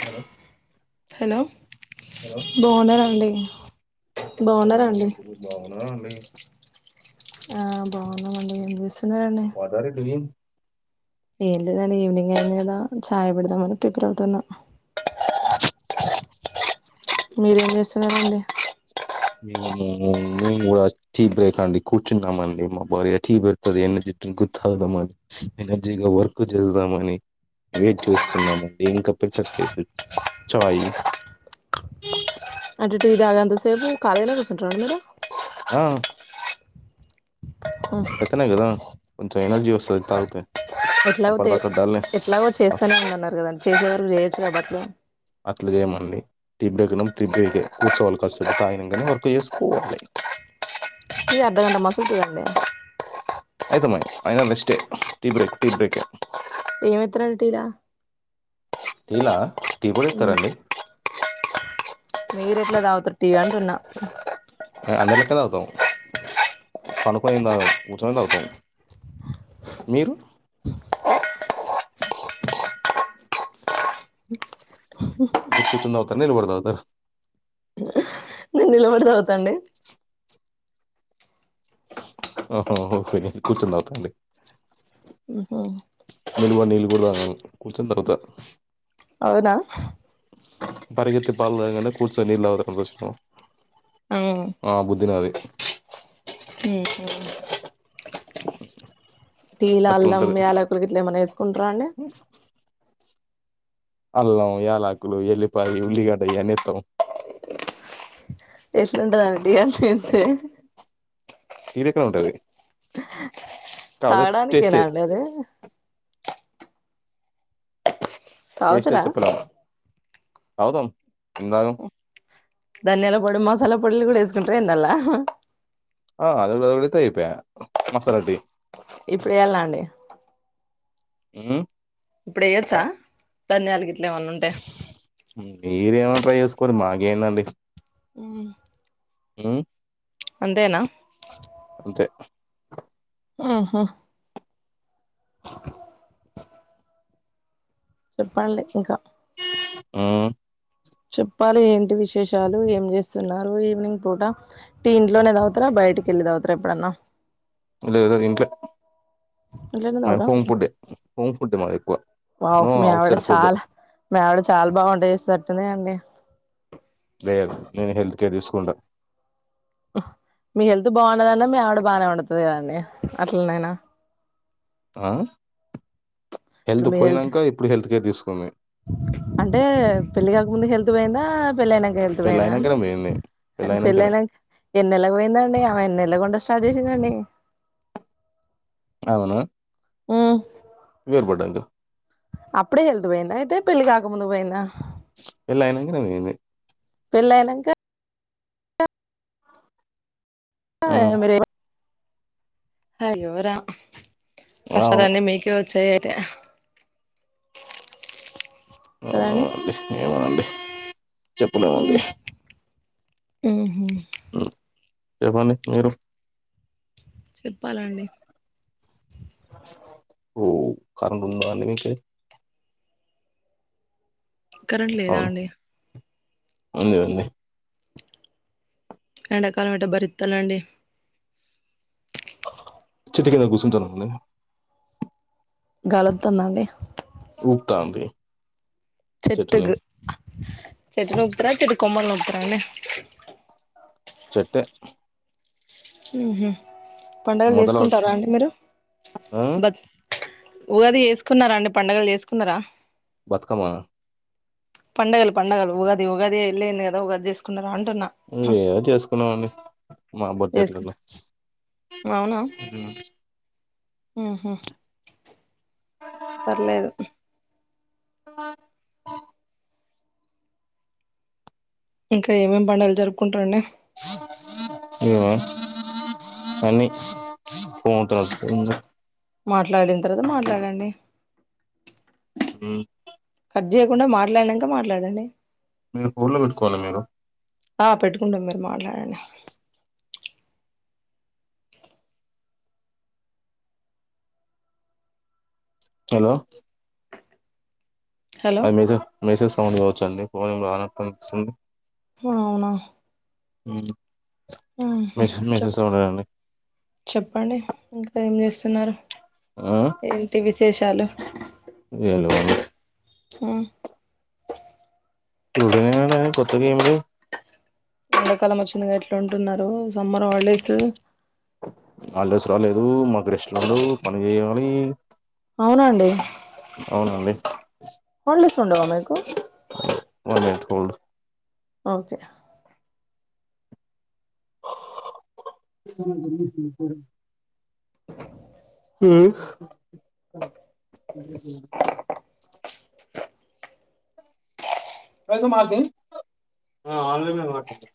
Hello hello hello బాగున్నారా అండి బాగున్నారా అండి బాగునమండి మీరు బాగున్నారా అండి ఆ బాగున్నమండి ఎంజెసున్నరండి వాట్ ఆర్ యు డూయింగ్ ఏం లేదని ఈవనింగ్ అయింది కదా చాయ్ పెడ్దామని ప్రిపేర్ అవుతున్నా మీరేంజేస్తున్నారండి మేము మేము కూడా టీ బ్రేక్ అండి కూర్చున్నామండి మా భార్య టీ పెడుతది అని తిట్టు గుర్తాదమని ఎనర్జీగా వర్క్ చేదామని వేట్ చేస్తున్నాము ఇంక పెట్టట్లేదు చాయి అంటే టీ దాగేంత సేపు కాలిగనె కూర్చుంటార మీరు ఆ మీరు తత్తెనా కదా కొంచెం ఎనర్జీ వస్తది తాగుతే ఎట్లాగో తే ఎట్లాగో చేస్తానే ఉన్నన్నారు కదండి చేసేవరకు చేయొచ్చు కాబటి అట్ల చేయమండి టీ బ్రేక్నం టీ బ్రేకే కూర్చోవాలి కాసేపు తాగినంక నే వర్క్ ఏసుకోవాలి టీ అర్ధాకంటా మసూల్తదండి అయితమాని అయిన రెస్టే టీ బ్రేక్ టీ బ్రేక్ కే ఏం ఎత్తరండి టీలా టీ లా టీ పోడేత్తరండి మీరు ఎట్లా దావుతరు టీ అంటున్నా అ అందర్లేక్క తావుతాం పనుకొని ఏం తాగం కూర్చోని తాగుతాం మీరు మీరు కూర్చుని తాగ్తరా నిలపడి తాగ్తరా నేను నిలబడి తాగుతాండి ఆహా హో కే కూర్చోని తవ్తామండి హు హు నిల్బడి నీళ్లు కూడా తాగాను కూర్చొని తాగుత అవ్నా పరిగెత్తి పాలు తాగేకంటే కూర్చోని నీళ్లు తాగడం బెస్టు ఆ ఉమ్ బుద్ధి నాది టీల అట్లా అల్లం ఉంటది యలకులు గిట్లా ఏమన్నా వేసుకుంటారా అండి అల్లం యాలాకులు ఎల్లిపాయి ఉల్లిగడ ఈయన్ని ఎత్తాం ఎట్లు ఉంటదండి అది ఇది టీలెక్కనె ఉంటది కాకపోతే తాడానికెనా టేస్టే అండి ఆది టేస్టే తాగుతారా చెప్పలేము తాగుదాం ఎందాగం ధన్యాల పొడి మసాలా పొడిలు కూడా ఏసుకుంటారా ఇందల్లా ఆ అది కూడా తగుల్తే అయిపోయా మసాలా టి ఇప్పుడు వెళ్ళండి ఏ ఇప్పుడు ఏయచ్చా ధన్యాలుగిట్ల మీరు ఏమన్నా ట్రై చేసుకొండి మాకేందండి ఊ ఉమ్ అంతేనా అంతే ఆహా చెప్పాలి ఇంకా ఊ చెప్పాలి ఏంటి విశేషాలు ఏం చేస్తున్నారు. ఈవెనింగ్ పూట టీ ఇంట్లోనే తగుతారా బయ బయటికెళ్ళి తాగుతారా ఎప్పుడన్నా లేదన్ ఇంట్లో ఇంట్లోనే మ హోమ్ తాగుతారా ఫుడే హోమ్ ఫుడ్ ఏ మాది ఎక్కువ వావ్ నో మీ ఆవిడ ఔట్సైడ్ ఫుడ్ చాలా మీ ఆవిడ చాల్ బాగ వంట చేస్తదంట కదా అండి లేదు నేనే హెల్త్ కేర్ తీసుకుంటా మీ హెల్త్ బాగుండదన్న మీ ఆవిడ బానే ఓండుతది కద అండి అట్లనైనా ఆ ఇప్పుడు హెల్త్ మీ పోయినంక ఇప్పుడు హెల్త్ కేర్ తీసుకుంది. అంటే పెళ్లి కాక ముందు హెల్త్ పోయిందా, పెళ్ళి అయినాక హెల్త్ పెళ్ళి పోయిందా అండి. అయినాకనే పోయింది పెళ్ళి పెళ్లి అయినాకనే అయినంక ఎన్నెల్లకి పోయిందండి. ఆమే ఎన్నెల్లా గుండా స్టార్ట్ చేసి తినండి అవున మీరుపడండి అప్పుడే హెల్త్ పోయిందా అయితే పెళ్లి కాకముందు పోయిందా పెళ్లి అయినంగనే పోయింది. పెళ్ళైనంక అ ఉమ్ మీరేమి హయ్యోరా అవును కష్టాలన్నీ మికే ఒ చై ఐతే అవుండి ఏమనండి చెప్పున అండి మ్ హు చెప్పండి మీరు చెప్పాలండి వో కరెంట్ ఉందా అండి మీకే కరెంట్ లేదా అవును అండి ఉంది ఉంది ఎండాకాలం ఎట్టా భరిత్తాలండి చెట్టు కిన్ కుసుంటామ్ అండి గాలోత్తందా అండి ఉక్తాంది చెట్టుకు చెట్లు తెంపుతారా చెట్టు కొమ్మలు తెంప్తారన్ చెట్టే హ్మ్ హ్మ్ పండగలు మొదలు పట్టుకు చేసుకుంటారండి మీరు ఆ ఉగాది చేసుకున్నారా అండి పండగలు చేసుకున్నారా బతుకమా పండగలు పండగలు ఉగాది ఉగాది ఎల్లేలే కదా ఉగాది చేస్కున్నారు నువే ఏదో చేసుకుందాం అంది మా బడ్జెట్ లలో చేసుకున్నా హ్మ్ మ్మ్ హు పర్లేదు [inaudible] ఇంకా ఏమేమి పండగలు జరుపుకుంటారండి. ఇవే అన్ని [unintelligible] మాట్లాడింద్ తర్వాత మాట్లాడండి ఉ జెయకుండా మాట్లాడినంక మాట్లాడండి మీరు ఫోన్ లో పెట్టుకోవాలి మీరు ఆ పెట్టుకుంటాం మరి మాట్లా హన హలో హలో అది మెసేజ్ మెసేజ్ సౌండ్ కావొచ్చండి. ఫోన్ ఎం రానట్టు అనిపిస్తుంది. అవునా ఉ ఆహా చెప్ చెప్పండి ఇంకా ఏంచేస్తున్నారు ఏంటి విశేషాలు ఏం లేవండి లూడో గేమ్ గా కొత్త గేములు ఎండ కాలం ఒచ్చింది కదా ఎట్లుంటున్నారు. సమ్మర్ హాలిడేసు హాలిడేస్ రాలేదు. మాక్ రెస్ట్లు ఉండవ్ పని జేయాలి. అవునా అండి హాల్డేస్ ఉండవా మీకు వన్ మినిట్ హోల్డ్ ఓకే [inaudible] పైసా మళ్తే అ ఆన్లైన్లా కోటు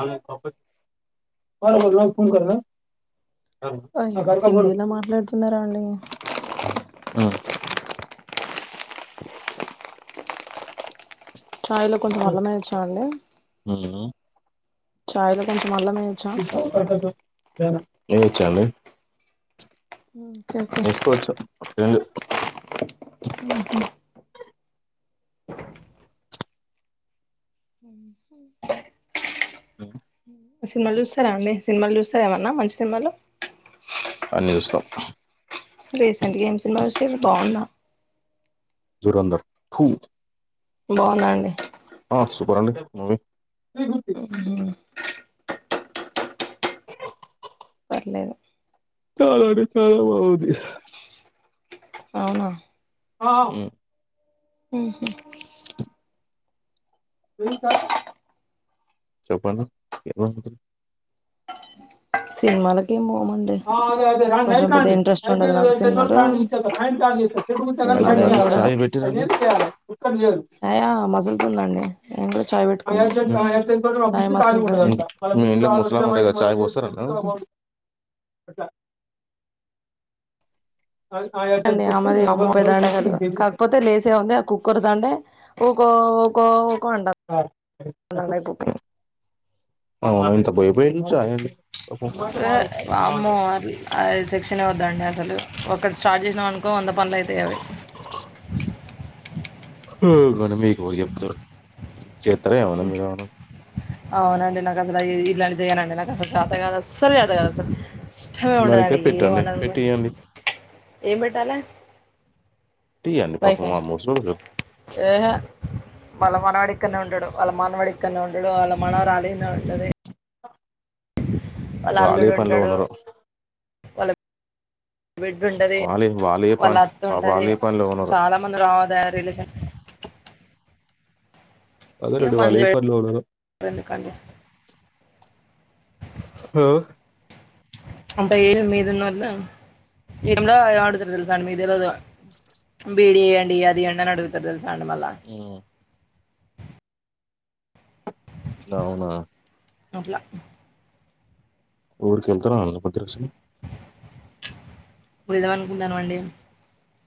ఆన్లైన్ ఆఫ్ అయ్యో హిందీలో మాట్లాడుతున్నారా అండి [unintelligible] [unintelligible] చాయ్లా కొంచం అల్లం ఏయోచా అంది చాయ్ లో కొంచ్ ఏయచ్చా అండి ఓకే ఓకే వేసుకోచ్చు ఏ హ్మ్ [unintelligible] సినిమాలు చూస్తారా అండి. సినిమాలు చూస్తారా ఏమన్నా మంచి సినిమాలు అన్ని చూస్తాం రీసెంట్గా ఏం సినిమా షూసిరు బాగుంద దురందర్ తూ బావుందం అహ్ సూపర్ అండి మూవి మ్మ్ పర్లేదు [unintelligible] బావుంది అవును ఉమ్ చెప్పండి [unintelligible] సినిమాలకేమో మ అయిపోయిందా ఉండదు నాకు సినిమాలు సినిమాలేం చూడను చాయ్ పెట్టిర్రా అండి ఛాయ మసులుతుందండి నేను కూడా ఛాయ్ పెట్టుకున్నాం ఛాయ్ మసులుతుంది మీ ఇంట్ల ముసలామె ఉంటది గదా చాయ్ పోస్తారా ఆమెకు అండి కోసం ఆమెది ఎవరు ఆమ్మో ఉండరు మిషన్ [unintelligible] చేసి కాకపొతే లేసేవుంది ఆ కుక్కోర్తంటే వుకో కో వుకో వుకొ అంటాన్ అవునా ఇంత పోయి పోయిల్లు చాయి వె వామ్మో అ సెక్షనే వద్దండి అసలు ఒకటి స్టార్ట్ చేసినం అనుకో వంద పనులు అయితాయ్ అవి చెత్తర్ర ఏమన్న మీరు ఆమె అవునండి నాకు అసలు ఇది ఇట్లాంటి చేయనండి. నాకు అసలు చాత గాదు. అస్సల్ చాత గాదు అసల్ ఇష్టమే మా దగ్గర ఉండదండి. పెట్టండి ఏమనది గని పెట్టియండి ఏం పెట్టాలె తీయండి వైఫై పాపం ఆ ముసలోళ్ళు అహ్ ఎహే మళ్ళ మనవడ్ ఇక్కడనే ఉంటడు వాళ్ళ మానవడు ఇక్కడనే ఉంటడు. వాళ్ళ మానవరాలు ఇన్నే ఉంటది. వాళ్ళ వాళ్ళే అల్లుడు పనిలో ఉంటడు. ఉన్నారు వాళ్ళ బిడ్డుంటది. వాళ్ళే వాళ్ళే వాళ్ళ పని ఆ అత్తుంటది వాళ్ళే పనిలో ఉన్నారు చాలా మంది రావద రిలేషన్స్ ఇక అదేనండి మనం వాళ్ళు ఏ పనిలో ఉన్నరు చేయడం ఎందుకండి హ అంటె ఏల్ మీదున్నోళ్లు ఎ టైంలా ఆడుదురు మీ తెల్వదు బిడియండి అదీయండి అని అడుగుతరు తెలుస అండి మల్ల ఉమ్, అవునా అట్ల ఊరికి వెళతావా రా కొద్ది రోజుకి వెళదామ అనుకుంటున్నామండి.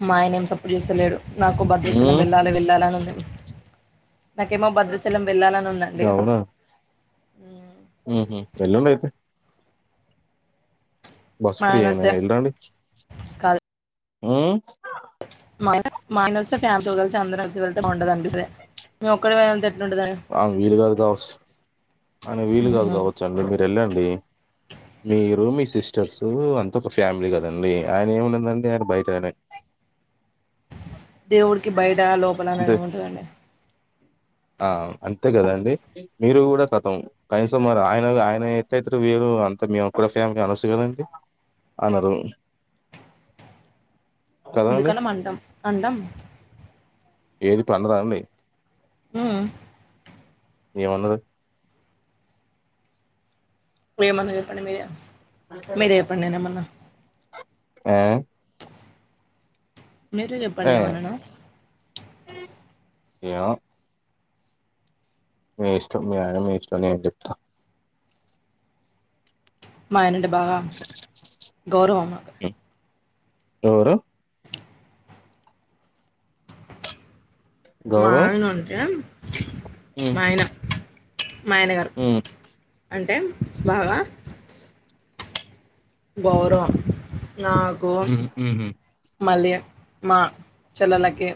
మా ఆయన ఏం సప్పుడ్ చేస్తలేదు. నాకు భద్రాచలం ఉమ్, వెళ్ళాలి వెళ్ళాలి అని ఉంది. నాకేమో భద్రాచలం వెళ్ళాలని ఉందండి. హ్మ్ హు వెళ్ళండైతే బస్ మా ఆయన ఫ్రీయెనే వస్తే ఎల్రాండి కాదు మ్ మ అయన మా ఆయనోస్తే ఫ్యామిల్తొ కలిసి అందరం కలిసి వెళ్తే బావుంటదనిపిస్తది. మేము ఒక్కలమె ఎళ్తే ఆ వీలు కాదు కావొస్స్ ఆయనకి వీలు కాదు ఉహు కావొచ్చు అండి మీరెళ్ళండి. మీరు మీ సిస్టర్సు అంతా ఒక ఫ్యామిలీ గదండి. ఆయన ఏముండదండి ఆయన బయటయనే దేవుడికి బయట లోపల అంతే. నేనే ఉంటదా అండి ఆ అంతే గదండి మీరు గూడా కతం కనీసం మరి ఆయన ఆయన ఎట్లైతారు మీరు అ మేము కూడా ఫ్యామిలీ అనొస్సు గదండి అనరు కదండీ! ఎందుకనం అంటం అంటం ఏది పండదా అండి ఉమ్ ఎమన్నరు ఏమన్నా చెప్పండి మీరే మీరే చెప్పండి నేనేమన్నా ఆ మీరు చెప్పండి ఏమననా ఏవో మీ ఇష్టం మీ అయన మీ ఇష్టం నేన్ చెప్తా మా ఆయనంటే బా గౌరవం మాకు హ్మ్. ఎవరు మా గౌరవ్? ఆయన ఉంటే హ్మ్. మా ఆయన మా ఆయనగారు హ్మ్. అంటే బాగా గౌరవం నాకు హ్మ్. హుహు. మళ్ళీ మా చెల్లలకి